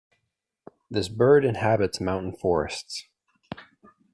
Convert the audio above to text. This bird inhabits mountain forests.